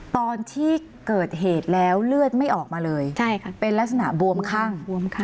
ตอนที่เกิดเหตุแล้วเลือดไม่ออกมาเลยเป็นลักษณะบวมคั่ง